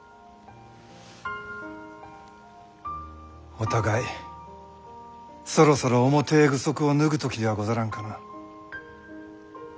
お互いそろそろ重てえ具足を脱ぐ時ではござらんかな。